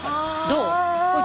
どう？